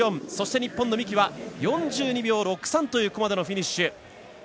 そして日本の三木は４２秒６３というフィニッシュ。